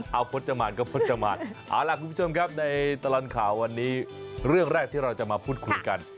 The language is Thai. เอาพจมานก็พจมานเอาล่ะคุณผู้ชมครับในตลอดข่าววันนี้เรื่องแรกที่เราจะมาพูดคุยกัน